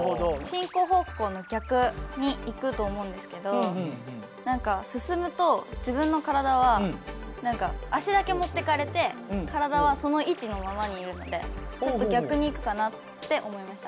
進行方向の逆に行くと思うんですけど進むと自分の体は足だけ持ってかれて体はその位置のままにいるのでちょっと逆に行くかなって思いました。